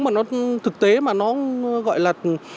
mà nó thực tế mà nó gọi là